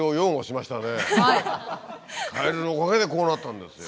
カエルのおかげでこうなったんですよ。